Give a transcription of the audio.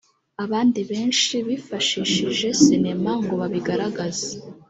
abandi benshi bifashishije sinema ngo babigaragaze